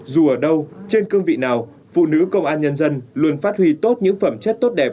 dù ở đâu trên cương vị nào phụ nữ công an nhân dân luôn phát huy tốt những phẩm chất tốt đẹp